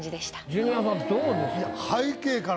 ジュニアさんどうですか？